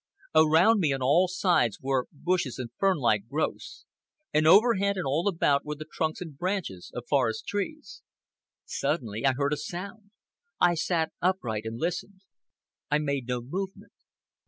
Around me, on all sides, were bushes and fern like growths, and overhead and all about were the trunks and branches of forest trees. Suddenly I heard a sound. I sat upright and listened. I made no movement.